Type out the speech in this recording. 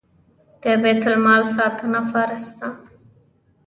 د بیت المال ساتنه فرض ده